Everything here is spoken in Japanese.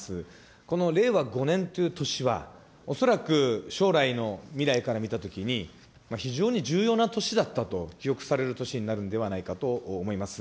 この令和５年という年は、恐らく将来の未来から見たときに非常に重要な年だったと記憶される年になると思います。